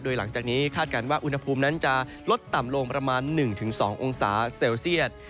โดยหลังจากนี้คาดการณ์ว่าอุณหภูมินั้นจะลดต่ำลงประมาณ๑๒องศาเซลเซียต